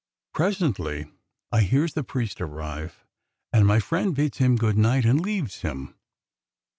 Presently I hears the priest arrive, and my friend bids him good night and leaves him.